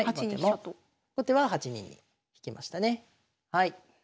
後手は８二に引きましたね。